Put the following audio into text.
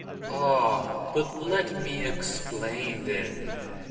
"Ah, but let me explain, then.